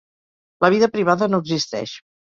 La vida privada no existeix.